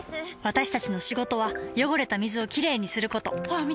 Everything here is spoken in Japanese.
私たちの仕事は汚れた水をきれいにすることホアン見て！